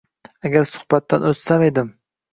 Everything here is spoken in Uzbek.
Agar suhbatdan oʻtsam edim.